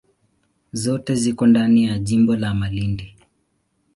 Zote ziko ndani ya jimbo la Malindi.